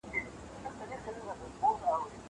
زه ليکلي پاڼي نه ترتيب کوم!!